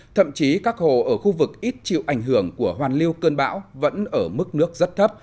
thậm chí các hồ ở khu vực ít chịu ảnh hưởng của hoàn lưu cơn bão vẫn ở mức nước rất thấp